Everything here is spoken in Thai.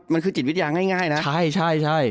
มันคือจิตวิทยาง่ายนะ